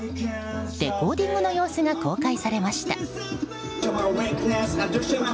レコーディングの様子が公開されました。